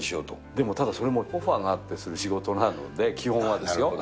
でもただ、それもオファーがあってする仕事なので、基本はですよ。